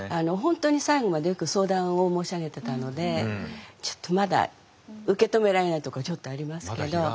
本当に最後までよく相談を申し上げてたのでちょっとまだ受け止められないとこちょっとありますけど。